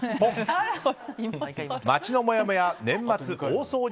街のもやもや年末大掃除